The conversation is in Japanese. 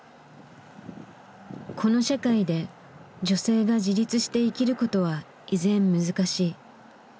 この社会で女性が自立して生きることは依然難しい。